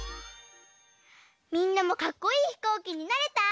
みんなもかっこいいひこうきになれた？